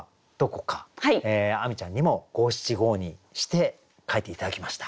亜美ちゃんにも五七五にして書いて頂きました。